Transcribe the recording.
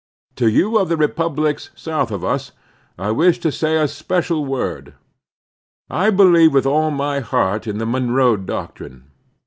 To you of the republics south of us, I wish to say a special word. I believe with all my heart in the Monroe Doctrine.